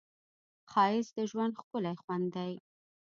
ښایست د ژوند ښکلی خوند دی